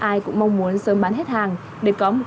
ai cũng mong muốn sớm bán hết hàng để có một cái tết no ấm đủ đầy